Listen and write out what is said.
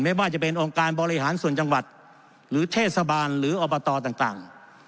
ไม่ว่าจะเป็นองค์การบริหารส่วนจังหวัดหรือเทศบาลหรืออบตต่าง